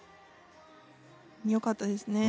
良かったですね。